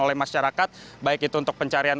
oleh masyarakat baik itu untuk pencarian